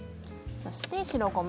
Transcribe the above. そして、白ごま。